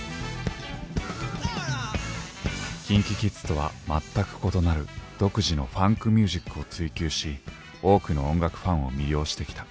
ＫｉｎＫｉＫｉｄｓとは全く異なる独自のファンクミュージックを追求し多くの音楽ファンを魅了してきた。